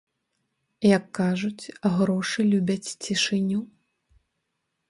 Як кажуць, грошы любяць цішыню.